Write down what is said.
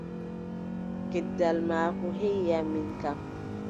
Gendal maako heʼi am min kam!